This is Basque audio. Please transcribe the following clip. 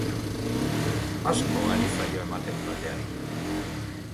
Asko ari zaio ematen taldeari.